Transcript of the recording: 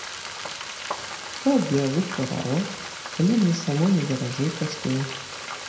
Каб я выхварала, калі мне самой не даражэй каштуе!